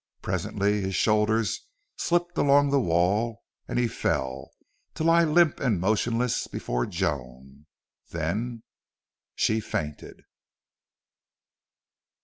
Presently his shoulders slipped along the wall and he fell, to lie limp and motionless before Joan. Then she fainted.